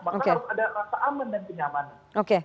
maka harus ada rasa aman dan kenyamanan